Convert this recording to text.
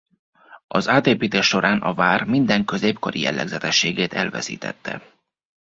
Az átépítés során a vár minden középkori jellegzetességét elveszítette.